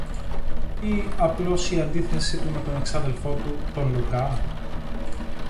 Ή απλώς η αντίθεση του με τον εξάδελφο του, τον Λουκά;